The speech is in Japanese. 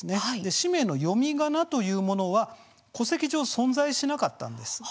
氏名の読みがなというものは戸籍上、存在しなかったんです。